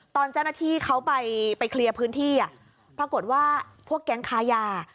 ตอนเจ้าหน้าที่เขาไปเคลียร์พื้นที่ปรากฏว่าพวกแก๊งค้ายา